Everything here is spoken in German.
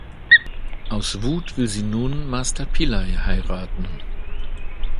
Aus Wut will sie nun Master Pillai heiraten.